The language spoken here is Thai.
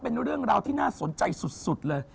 เป็นเรื่องราวที่น่าสนใจสุดเลย